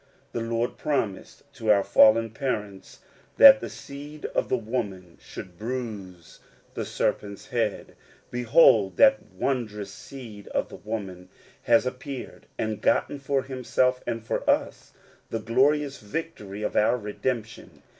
The Lord promised to our fallen parents that the seed of the woman should bruise the serpent's head : behold, that wondrous Seed of the woman has appeared, and gotten for himself, and for us, the glorious victory of our redemption